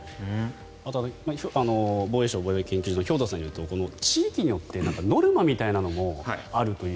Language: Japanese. あとは防衛省防衛研究所の兵頭さんによると地域によってノルマみたいなものもあると。